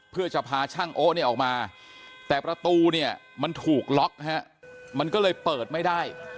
เพื่อจะพาช่างโอ๊เนี่ยออกมาแต่ประตูเนี่ยมันถูกล็อกฮะมันก็เลยเปิดไม่ได้